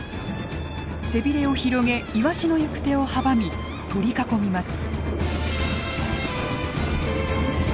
背びれを広げイワシの行く手を阻み取り囲みます。